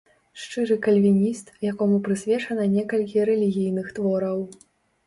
Шчыры кальвініст, якому прысвечана некалькі рэлігійных твораў.